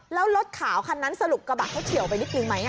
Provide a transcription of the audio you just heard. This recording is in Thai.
แล้วรถขาวคันนั้นสรุปกระบะเขาเฉียวไปนิดนึงไหม